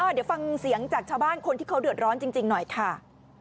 เดี๋ยวฟังเสียงจากชาวบ้านคนที่เขาเดือดร้อนจริงหน่อยค่ะ